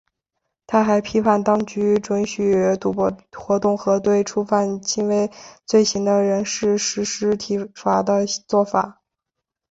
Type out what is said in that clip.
他还批评当局准许赌博活动和对触犯轻微罪行的人士施行体罚的作法。